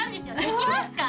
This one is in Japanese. できますか？